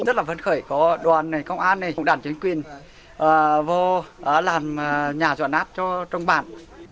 rất là phấn khởi có đoàn này công an này đảng chính quyền vô làm nhà rột nát cho trong bản